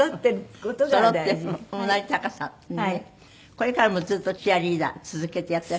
これからもずっとチアリーダー続けてやってらっしゃる？